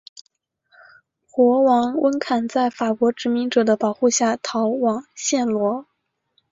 国王温坎在法国殖民者的保护下逃往暹罗。